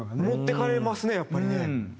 持っていかれますねやっぱりね。